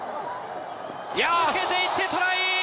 抜けていってトライ。